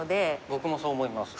僕もそう思います。